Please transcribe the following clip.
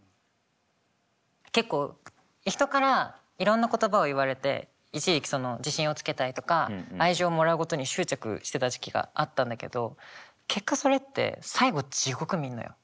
結構人からいろんな言葉を言われて一時期その自信をつけたいとか愛情をもらうことに執着してた時期があったんだけど結果それって最後地獄見んのよ。